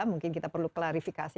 mungkin kita perlu klarifikasi